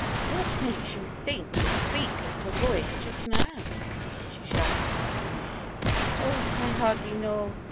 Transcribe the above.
"What makes you think or speak of Pavoya just now?" she sharply questioned. "Oh I hardly know.